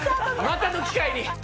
またの機会に！